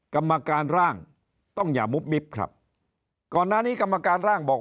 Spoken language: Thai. กรรมการร่างต้องอย่ามุบมิบครับก่อนหน้านี้กรรมการร่างบอก